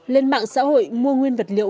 lên mạng xã hội mua nguyên vật liệu